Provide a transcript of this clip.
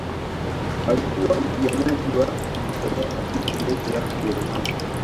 alikuwa mpiganaji wa kujitolea katika jeshi la ujerumani